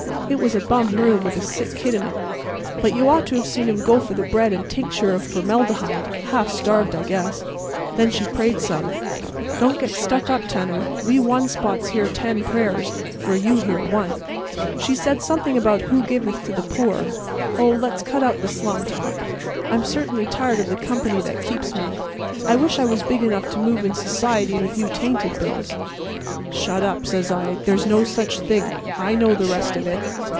It was a bum room with a sick kid in it. But you ought to have seen him go for the bread and tincture of formaldehyde. Half starved, I guess. Then she prayed some. Don't get stuck up, tenner. We one spots hear ten prayers, where you hear one. She said something about 'who giveth to the poor.' Oh, let's cut out the slum talk. I'm certainly tired of the company that keeps me. I wish I was big enough to move in society with you tainted bills." "Shut up," says I; "there's no such thing. I know the rest of it.